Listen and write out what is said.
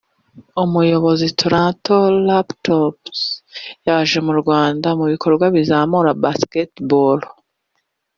uyobora Toronto Raptors yaje mu Rwanda mu bikorwa bizamura Basketball